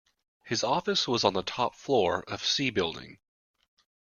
His office was on the top floor of C building.